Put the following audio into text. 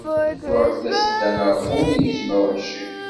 Wwiɣ-d tasedda n rrxul, i yizem aweḥci.